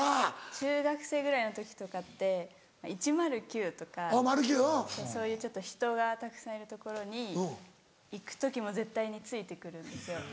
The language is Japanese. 中学生ぐらいの時とかって１０９とかそういうちょっと人がたくさんいる所に行く時も絶対について来るんですよ。